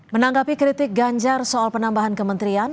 menanggapi kritik ganjar soal penambahan kementerian